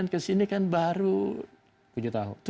dua ribu sembilan ke sini kan baru tujuh tahun